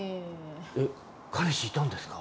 え彼氏いたんですか。